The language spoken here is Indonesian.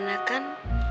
nah udah enakan